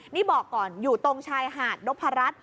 นี่บอกก่อนอยู่ตรงชายหาดนพรัช